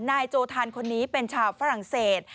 นายโจทันคนนี้เป็นชาวฝรั่งเศส